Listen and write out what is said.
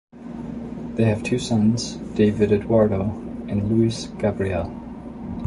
They have two sons, David Edoardo and Luis Gabriel.